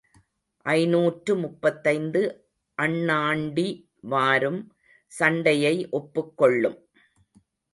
ஐநூற்று முப்பத்தைந்து அண்ணாண்டி வாரும் சண்டையை ஒப்புக் கொள்ளும்.